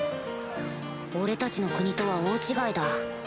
俺たちの国とは大違いだ